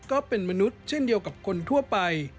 ก็เป็นมนุษย์เช่นเดียวกับคนทั่วไป